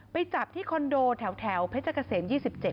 ไปจับที่คอนโดแถวเพชรเกษม๒๗